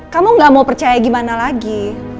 kamu gak mau percaya gimana lagi